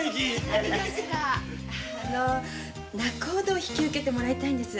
仲人を引き受けてもらいたいんです。